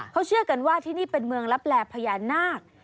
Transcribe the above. เขาเชื่อกันว่าที่นี่เป็นเมืองลับแลพญานาค